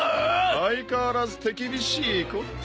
相変わらず手厳しいこって。